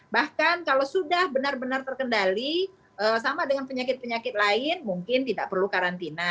bahkan kalau sudah benar benar terkendali sama dengan penyakit penyakit lain mungkin tidak perlu karantina